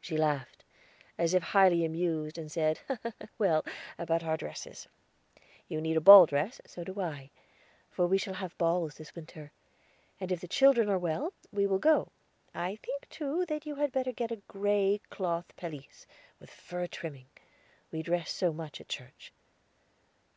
She laughed, as if highly amused, and said: "Well, about our dresses. You need a ball dress, so do I; for we shall have balls this winter, and if the children are well, we will go. I think, too, that you had better get a gray cloth pelisse, with a fur trimming. We dress so much at church."